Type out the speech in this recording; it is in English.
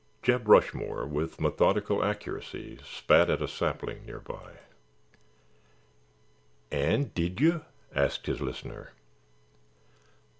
'" Jeb Rushmore, with methodical accuracy, spat at a sapling near by. "And did you?" asked his listener.